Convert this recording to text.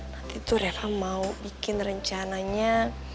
nanti tuh reva mau bikin rencananya